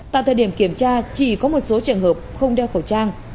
tại thời điểm kiểm tra chỉ có một số trường hợp không đeo khẩu trang